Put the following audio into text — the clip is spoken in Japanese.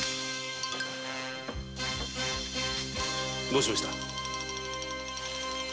どうしました？